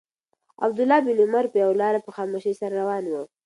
عبدالله بن عمر پر یوه لاره په خاموشۍ سره روان و.